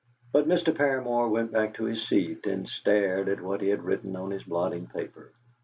But Mr. Paramor went back to his seat and stared at what he had written on his blotting paper.